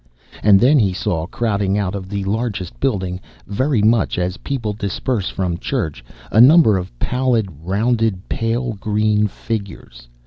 And then he saw, crowding out of the largest building, very much as people disperse from church, a number of pallid, rounded, pale green figures.